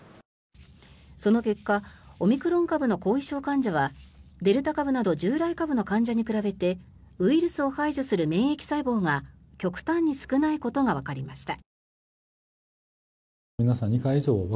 その結果オミクロン株の後遺症患者はデルタ株など従来株の患者に比べてウイルスを排除する免疫細胞が極端に少ないことがわかりました。